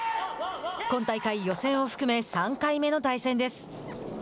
今大会予選を含め３回目の対戦です。